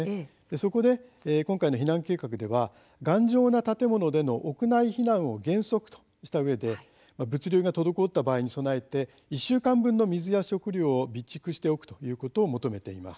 そこで今回の避難計画では頑丈な建物での屋内避難を原則としたうえで物流が滞った場合に備えて１週間分の水や食料を備蓄しておくということを求めています。